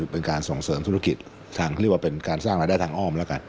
เป็นการส่งเสริมธุรกิจทางที่เรียกว่าเป็นการสร้างรายได้ทางอ้อมแล้วกัน